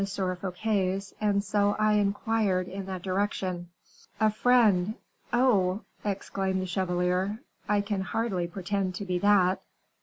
Fouquet's, and so I inquired in that direction." "A friend! oh!" exclaimed the chevalier, "I can hardly pretend to be that.